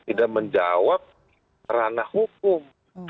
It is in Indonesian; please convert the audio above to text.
tidak menjawab ranah hukum